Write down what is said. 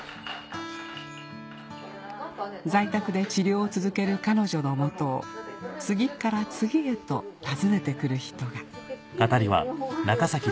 在宅で治療を続ける彼女の元を次から次へと訪ねて来る人がほら。